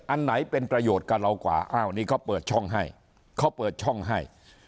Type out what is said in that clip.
อันไหนเป็นประโยชน์กับเรากว่าอ้าวนี่เขาเปิดช่องให้เขาเปิดช่องให้